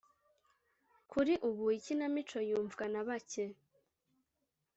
Kuri ubu ikinamico yumvwa na bake